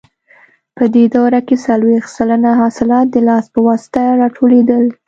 په دې دوره کې څلوېښت سلنه حاصلات د لاس په واسطه راټولېدل.